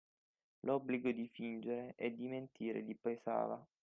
L'obbligo di fingere e di mentire gli pesava